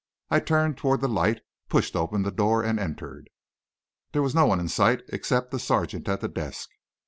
I turned toward the light, pushed open the door and entered. There was no one in sight except the sergeant at the desk.